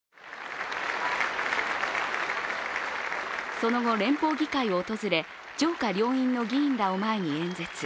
その後、連邦議会を訪れ上下両院の議員らを前に演説。